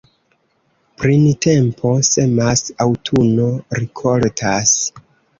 Printempo semas, aŭtuno rikoltas.